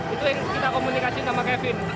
itu yang kita komunikasi sama kevin